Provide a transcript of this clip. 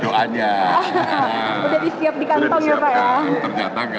sudah disiap di kantong ya pak ya